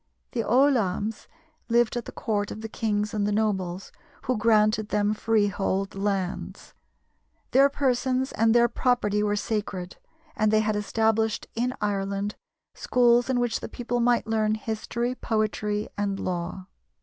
The ollamhs lived at the court of the kings and the nobles, who granted them freehold lands; their persons and their property were sacred; and they had established in Ireland schools in which the people might learn history, poetry, and law.